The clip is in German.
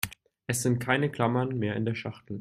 Es sind keine Klammern mehr in der Schachtel.